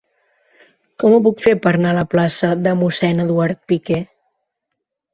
Com ho puc fer per anar a la plaça de Mossèn Eduard Piquer?